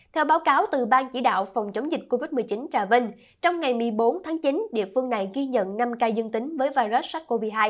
theo báo cáo từ bang chỉ đạo phòng chống dịch covid một mươi chín trà vinh trong ngày một mươi bốn tháng chín địa phương này ghi nhận năm ca dương tính với virus sars cov hai